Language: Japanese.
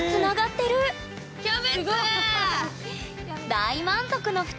大満足の２人。